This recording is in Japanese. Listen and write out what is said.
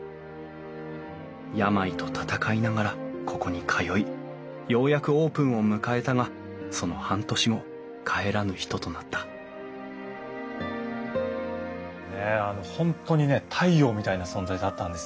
病と闘いながらここに通いようやくオープンを迎えたがその半年後帰らぬ人となった本当にね太陽みたいな存在だったんですよ。